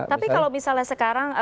tapi kalau misalnya sekarang